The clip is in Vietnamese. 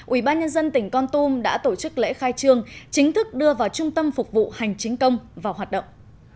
ubnd tỉnh con tum đã tổ chức lễ khai trương chính thức đưa vào trung tâm phục vụ hành chính công vào hoạt động